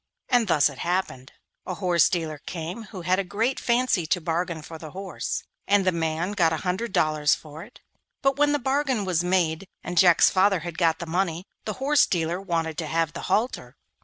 And thus it happened. A horse dealer came who had a great fancy to bargain for the horse, and the man got a hundred dollars for it, but when the bargain was made, and Jack's father had got the money, the horse dealer wanted to have the halter.